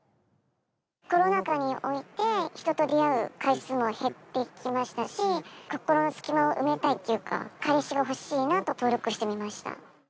コロナ禍において、人と出会う回数も減ってきましたし、心の隙間を埋めたいっていうか、彼氏が欲しいなと、登録してみました。